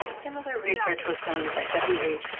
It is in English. Similar research was done by W. H.